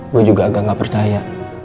gue juga agak gak percaya